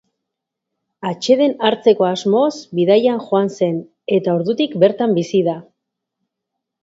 Atseden hartzeko asmoz bidaian joan zen eta ordutik bertan bizi da.